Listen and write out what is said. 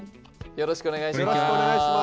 よろしくお願いします。